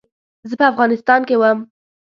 زه په افغانستان کې وم.